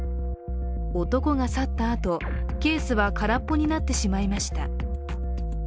男が去ったあと、ケースは空っぽになってしまいました。